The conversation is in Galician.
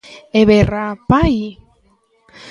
E berra: "Pai!".